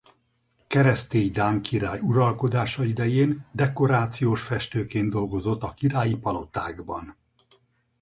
Keresztély dán király uralkodása idején dekorációs festőként dolgozott a királyi palotákban.